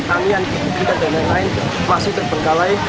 pertanian pabrik dan lain lain masih terpenggalai